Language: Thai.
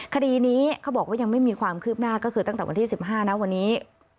คดีนี้เขาบอกว่ายังไม่มีความคืบหน้าก็คือตั้งแต่วันที่๑๕นะวันนี้